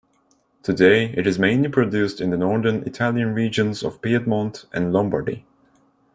Today, it is mainly produced in the northern Italian regions of Piedmont and Lombardy.